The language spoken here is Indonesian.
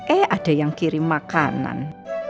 eh ada yang kirim makanan